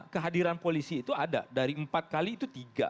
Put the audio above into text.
kehadiran polisi itu ada dari empat kali itu tiga